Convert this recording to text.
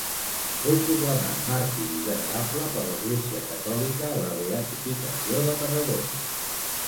Fou proclamat màrtir i venerable per l'Església catòlica a la Beatificació de Tarragona.